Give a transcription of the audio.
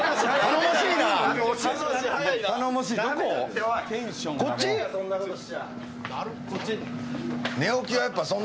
頼もしいな！